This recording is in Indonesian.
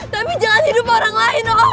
tapi jangan hidup orang lain dong